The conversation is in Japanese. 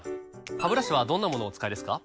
ハブラシはどんなものをお使いですか？